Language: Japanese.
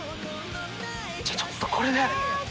じゃあちょっとこれで。